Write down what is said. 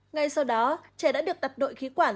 ngay sau đó trẻ đã được tập đội khí quản